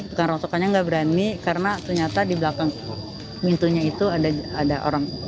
tukang rontokannya nggak berani karena ternyata di belakang pintunya itu ada orang